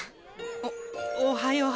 おっおはよう。